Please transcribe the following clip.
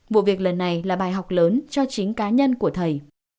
vụ việc lần này là bài học lớn cho chính cá nhân của thầy